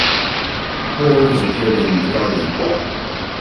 Her work has appeared in the "Guardian".